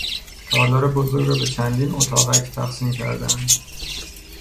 تالار بزرگ را به چندین اتاقک تقسیم کردهاند.